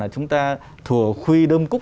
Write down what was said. là chúng ta thùa khuy đơm cúc